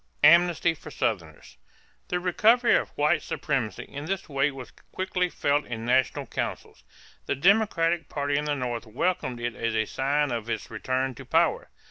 =Amnesty for Southerners.= The recovery of white supremacy in this way was quickly felt in national councils. The Democratic party in the North welcomed it as a sign of its return to power.